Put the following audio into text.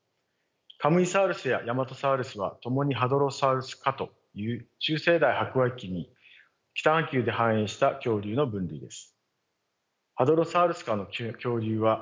カムイサウルスやヤマトサウルスは共にハドロサウルス科という中生代白亜紀に北半球で繁栄した恐竜の分類です。